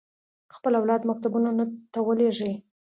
خپل اولاد مکتبونو ته ولېږي.